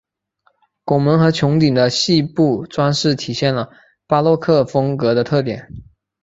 拱门和穹顶的细部装饰体现了巴洛克风格的特点。